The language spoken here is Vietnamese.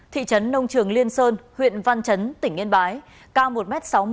thị trấn nông trường liên sơn huyện văn chấn tỉnh yên bái cao một m sáu mươi